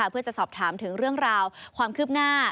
เพื่อจะสอบถามถึงเรื่องราวความคืบหน้า